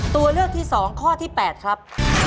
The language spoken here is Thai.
ตัวเลือกที่สองข้อที่แปดครับ